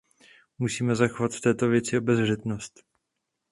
Musíme zachovat v této věci obezřetnost.